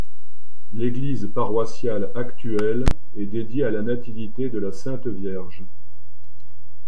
L'église paroissiale actuelle est dédiée à la Nativité-de-la-Sainte-Vierge.